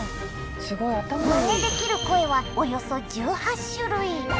まねできる声はおよそ１８種類！